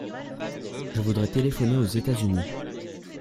Je voudrais téléphoner aux États-Unis.